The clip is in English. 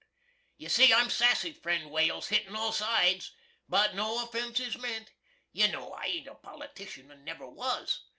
You see I'm sassy, friend Wales, hittin' all sides; but no offense is ment. You know I ain't a politician, and never was.